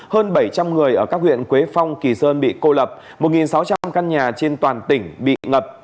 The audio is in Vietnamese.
hơn bảy trăm linh người ở các huyện quế phong kỳ sơn bị cô lập một sáu trăm linh căn nhà trên toàn tỉnh bị ngập